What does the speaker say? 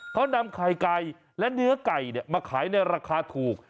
เขานำไข่ไก่และเนื้อไก่มาขายในราคาถูก